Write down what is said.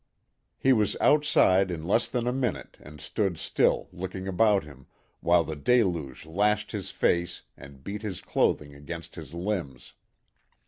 He was outside in less than a minute and stood still looking about him, while the deluge lashed his face and beat his clothing against his limbs.